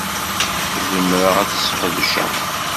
Zemreɣ ad tt-sqedceɣ?